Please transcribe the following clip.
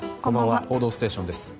「報道ステーション」です。